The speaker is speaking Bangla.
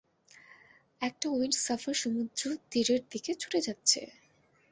একটা উইন্ডসাফার সমুদ্রতীরের দিকে ছুটে যাচ্ছে।